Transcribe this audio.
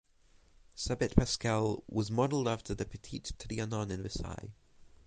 Sabet Pascal was modeled after the Petit Trianon in Versailles.